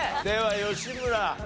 では吉村。